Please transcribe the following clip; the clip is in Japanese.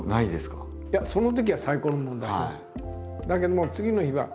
いやそのときは最高のものを出します。